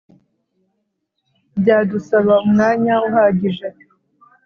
byadusaba umwanya uhagije